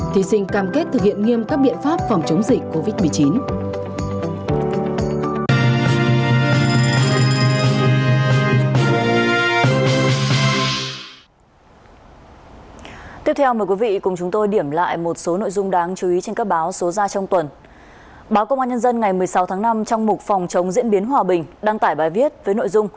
thí sinh cam kết thực hiện nghiêm các biện pháp phòng chống dịch covid một mươi chín